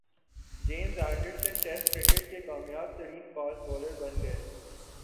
James Anderson test cricket کے کامیاب ترین فاسٹ بالر بن گئے